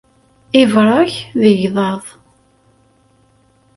Ibṛak d igḍaḍ.